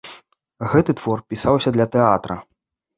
Гэты твор пісаўся для тэатра.